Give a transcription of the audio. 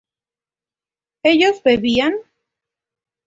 ¿ellos bebían?